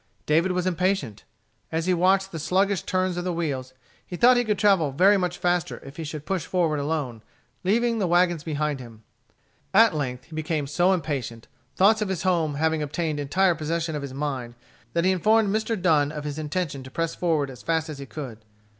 David was impatient. As he watched the sluggish turns of the wheels, he thought that he could travel very much faster if he should push forward alone, leaving the wagons behind him. At length he became so impatient, thoughts of home having obtained entire possession of his mind, that he informed Mr. Dunn of his intention to press forward as fast as he could.